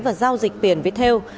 và giao dịch tiền viết theo